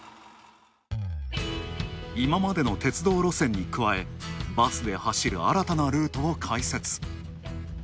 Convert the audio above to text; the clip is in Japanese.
今までの鉄道路線に加え、バスで走る新たなルートを開設。